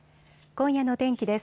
今夜の天気です。